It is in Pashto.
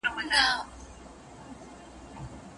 ډېرو پوهانو په ټینګار سره ویلي چي لارښود باید خاماخا څېړونکی وي.